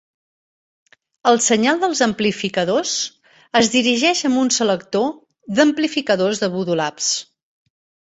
El senyal dels amplificadors es dirigeix amb un selector d'amplificadors de Voodoo Labs.